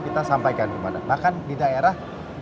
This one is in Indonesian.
kita sampaikan kepada bahkan di daerah